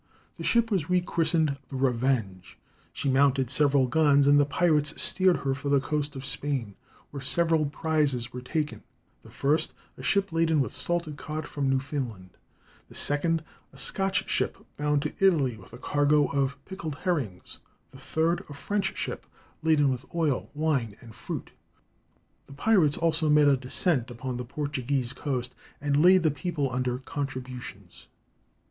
The ship was rechristened The Revenge; she mounted several guns, and the pirates steered her for the coast of Spain, where several prizes were taken—the first a ship laden with salted cod from Newfoundland, the second a Scotch ship bound to Italy with a cargo of pickled herrings, the third a French ship laden with oil, wine, and fruit. The pirates also made a descent upon the Portuguese coast and laid the people under contributions.